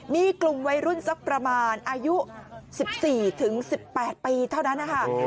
มีกลุ่มวัยรุ่นสักประมาณอายุ๑๔ถึง๑๘ปีเท่านั้นนะคะ